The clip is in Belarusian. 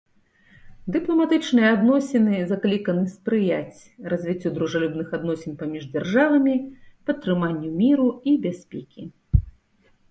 Дыпламатычныя адносіны закліканы спрыяць развіццю дружалюбных адносін паміж дзяржавамі, падтрыманню міру і бяспекі.